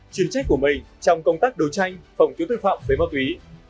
chuyên trách của mình trong công tác đấu tranh phòng chứa tội phạm với ma túy